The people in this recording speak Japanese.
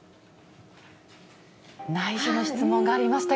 ないしょの質問がありました